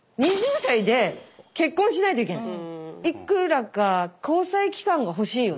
２０代で結婚しないといけない。